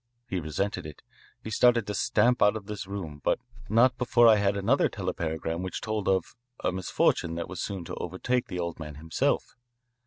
He resented it. He started to stamp out of this room, but not before I had another telepagram which told of a misfortune that was soon to overtake the old man himself.